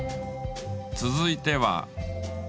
続いては。